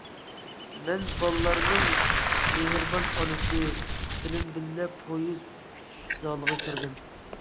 مەن بالىلارنىڭ‹‹ مېھرىبان ئانىسى›› بىلەن بىللە پويىز كۈتۈش زالىغا كىردىم.